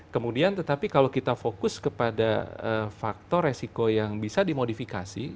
kemudian tetapi kalau kita fokus kepada faktor resiko yang bisa dimodifikasi